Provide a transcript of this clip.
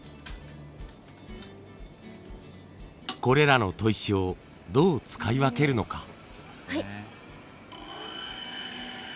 これらの砥石をどう使い分けるのか？